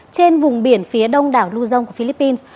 trên vùng biển phía đông đảo lưu dông của philippines